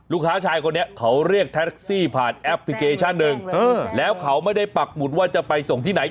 ชายคนนี้เขาเรียกแท็กซี่ผ่านแอปพลิเคชันหนึ่งแล้วเขาไม่ได้ปักหมุดว่าจะไปส่งที่ไหน